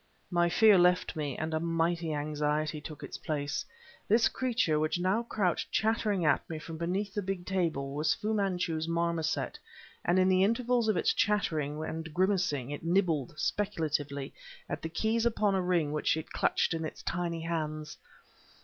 My fear left me, and a mighty anxiety took its place. This creature which now crouched chattering at me from beneath the big table was Fu Manchu's marmoset, and in the intervals of its chattering and grimacing, it nibbled, speculatively, at the keys upon the ring which it clutched in its tiny hands.